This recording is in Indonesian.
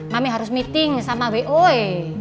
mami harus meeting sama boe